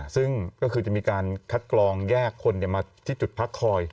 ซึ่งก็คือจะมีการคัดกรองแยกคนมาที่จุดพักคอย